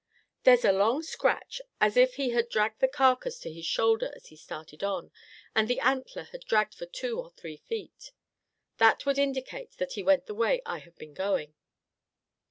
"There's a long scratch, as if he had dragged the carcass to his shoulder as he started on, and an antler had dragged for two or three feet. That would indicate that he went the way I have been going.